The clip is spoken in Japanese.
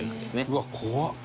「うわっ怖っ！」